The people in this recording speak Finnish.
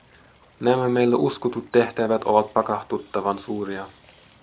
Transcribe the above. Nämä meille uskotut tehtävät ovat pakahduttavan suuria.